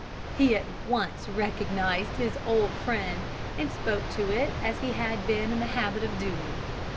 He at once recognised his old friend, and spoke to it as he had been in the habit of doing.